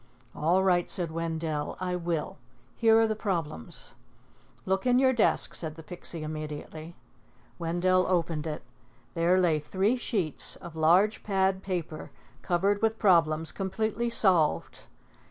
"All right," said Wendell. "I will. Here are the problems." "Look in your desk," said the Pixie immediately. Wendell opened it. There lay three sheets of large pad paper, covered with problems completely solved.